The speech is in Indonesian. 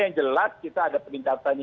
yang jelas kita ada peningkatan